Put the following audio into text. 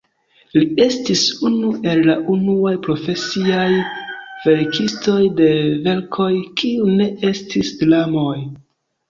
Li estis unu el la unuaj profesiaj verkistoj de verkoj kiuj ne estis dramoj.